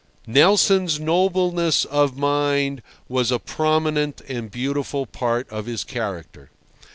"Nelson's nobleness of mind was a prominent and beautiful part of his character.